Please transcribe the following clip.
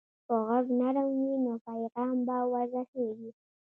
که غږ نرم وي، نو پیغام به ورسیږي.